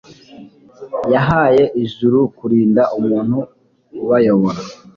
yahaye ijuru kurinda umuntu ubayobora